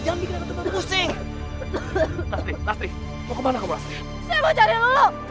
jangan bikin aku tambah pusing